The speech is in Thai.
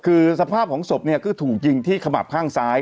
คือสภาพของศพเนี่ยก็ถูกยิงที่ขมับข้างซ้าย